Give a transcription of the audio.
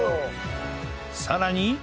さらに